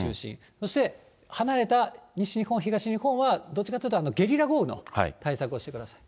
そして、離れた西日本、東日本はどっちかっていうとゲリラ豪雨の対策をしてください。